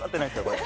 これ。